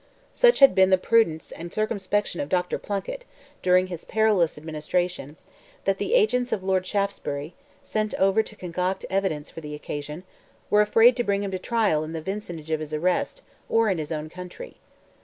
Such had been the prudence and circumspection of Dr. Plunkett, during his perilous administration, that the agents of Lord Shaftesbury, sent over to concoct evidence for the occasion, were afraid to bring him to trial in the vicinage of his arrest, or in his own country.